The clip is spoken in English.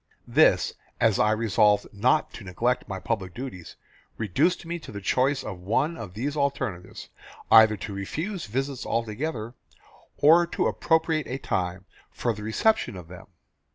This, as I resolved not to neglect my public duties, reduced me to the choice of one of these alternatives: either to refuse visits altogether, or to appropriate a time for the reception of them.